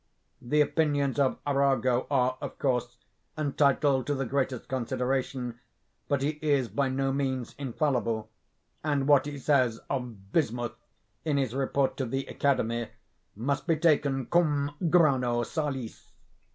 The opinions of Arago are, of course, entitled to the greatest consideration; but he is by no means infallible; and what he says of bismuth, in his report to the Academy, must be taken cum grano salis.